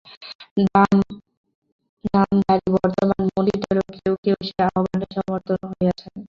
বাম নামধারী বর্তমান মন্ত্রীদেরও কেউ কেউ তাঁর সেই আহ্বানে সমর্থন দিয়েছিলেন।